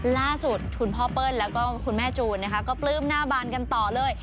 ล่าสุดคุณพ่อเปิ้ลแล้วก็คุณแม่จูนนะคะก็ปลื้มหน้าบานกันต่อเลย